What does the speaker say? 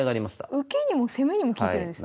受けにも攻めにも利いてるんですね。